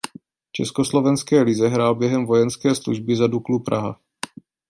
V československé lize hrál během vojenské služby za Duklu Praha.